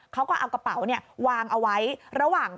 เขาก็เอากระเป๋าวางเอาไว้ระหว่าง